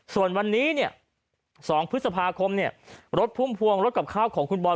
ส่วนวันนี้เนี่ย๒พฤษภาคมเนี่ยรถพุ่มพวงรถกับข้าวของคุณบอล